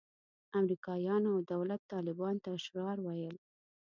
امریکایانو او دولت طالبانو ته اشرار ویل.